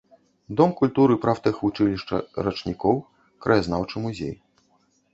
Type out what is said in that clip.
Дом культуры, прафтэхвучылішча рачнікоў, краязнаўчы музей.